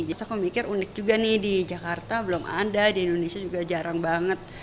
jadi aku mikir unik juga nih di jakarta belum ada di indonesia juga jarang banget